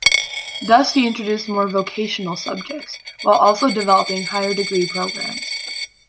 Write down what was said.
Thus he introduced more vocational subjects, while also developing higher degree programmes.